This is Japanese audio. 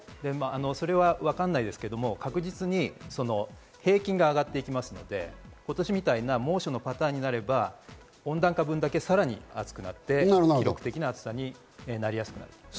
それはわからないですけど、確実に平均が上がっいてきますので、今年みたいな猛暑のパターになれば温暖化分だけさらに暑くなって、記録的な暑さになりやすくなると。